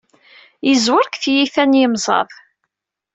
Yeẓwer deg tiyita n yimẓad.